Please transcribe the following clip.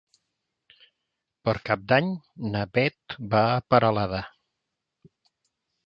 Per Cap d'Any na Beth va a Peralada.